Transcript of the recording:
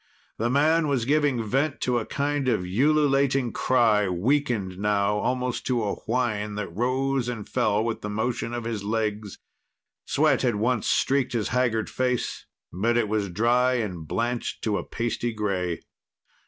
The man was giving vent to a kind of ululating cry, weakened now almost to a whine that rose and fell with the motion of his legs. Sweat had once streaked his haggard face, but it was dry and blanched to a pasty gray.